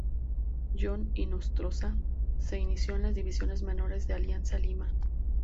John Hinostroza se inició en las divisiones menores de Alianza Lima.